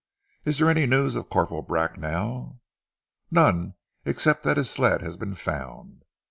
Is there any news of Corporal Bracknell?" "None, except that his sled has been found."